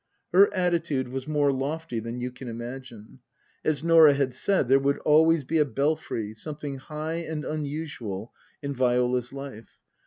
Her attitude was more lofty than you can imagine. As Norah had said, there would always be a Belfry something high and unusual in Viola's life.